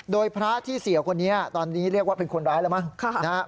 โดยพระที่เสียคนนี้ตอนนี้เรียกว่าเป็นคนร้ายแล้วมั้งนะครับ